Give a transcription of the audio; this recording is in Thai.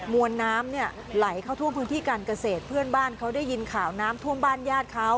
วนน้ำเนี่ยไหลเข้าท่วมพื้นที่การเกษตรเพื่อนบ้านเขาได้ยินข่าวน้ำท่วมบ้านญาติเขา